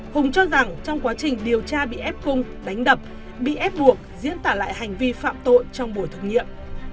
hùng cho rằng trong quá trình điều tra bị ép cung đánh đập bị ép buộc diễn tả lại hành vi phạm tội trong buổi thực nghiệm